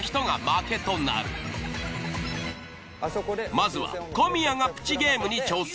まずは小宮がプチゲームに挑戦。